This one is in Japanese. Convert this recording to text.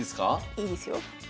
いいですよ。